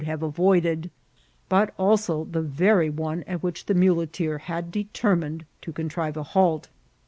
16t have avoided, but also the very one at which the mule* teer had detennined to contrive a halt.